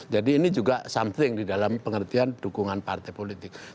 jadi ini juga something di dalam pengertian dukungan partai politik